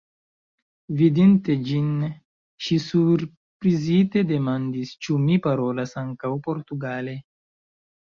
Vidinte ĝin, ŝi surprizite demandis, ĉu mi parolas ankaŭ portugale.